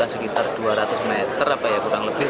sekitar dua ratus meter kurang lebih